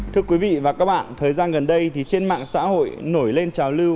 thưa quý vị và các bạn thời gian gần đây thì trên mạng xã hội nổi lên trào lưu